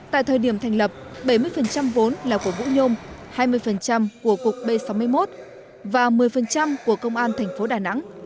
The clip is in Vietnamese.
tại thời điểm thành lập bảy mươi vốn là của vũ nhôm hai mươi của cục b sáu mươi một và một mươi của công an thành phố đà nẵng